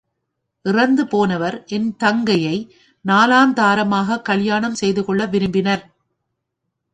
இறந்து போனவர் என் தங்கையை நாலாந்தாரமாகக் கல்யாணம் செய்துகொள்ள விரும்பினர்.